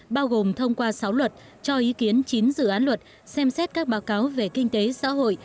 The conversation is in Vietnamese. bao gồm thông qua sáu luật cho ý kiến chín dự án luật xem xét các báo cáo về kinh tế xã hội